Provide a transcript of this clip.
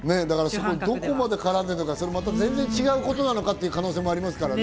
どこまで絡んでるのか、全然違うことなのかという可能性もありますからね。